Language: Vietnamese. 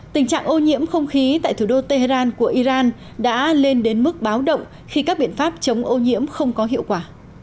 tình trạng ô nhiễm không khí tại thủ đô tehran của iran đã lên đến mức báo động khi các biện pháp chống ô nhiễm không có hiệu quả